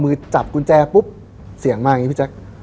จับกุญแจปุ๊บเสียงมาอย่างนี้พี่แจ๊ค